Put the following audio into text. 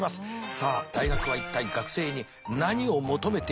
さあ大学は一体学生に何を求めているのか。